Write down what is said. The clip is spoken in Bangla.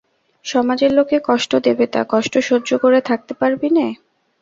সমাজের লোকে কষ্ট দেবে–তা, কষ্ট সহ্য করে থাকতে পারবি নে?